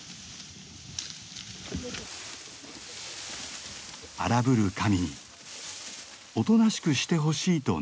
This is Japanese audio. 荒ぶる神におとなしくしてほしいと願うのだ。